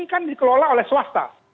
kan dikelola oleh swasta